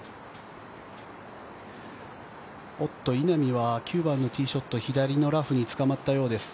稲見は９番のティーショット左のラフにつかまったようです。